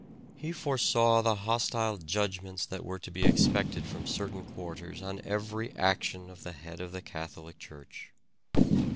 He foresaw the hostile judgments that were to be expected from certain quarters on every action of the head of the Catholic Church.